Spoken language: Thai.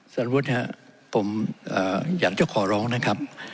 สารวุฒิครับผมอยากจะขอร้องนะครับ